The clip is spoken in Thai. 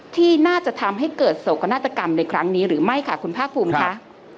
ที่น่าจะทำให้เกิดโศกนาฏกรรมในครั้งนี้หรือไม่ค่ะคุณภาคภูมิค่ะ